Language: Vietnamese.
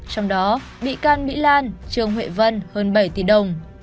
trong đó bị can mỹ lan trương huệ vân hơn bảy tỷ đồng